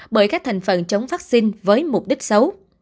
bởi các thành phần chống vắc xin với mục đích xấu